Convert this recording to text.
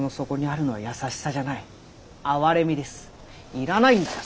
いらないんだよ